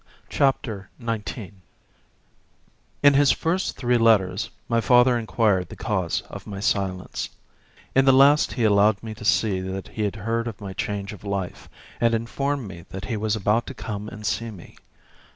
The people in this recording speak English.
Chapter XIX In his first three letters my father inquired the cause of my silence; in the last he allowed me to see that he had heard of my change of life, and informed me that he was about to come and see me.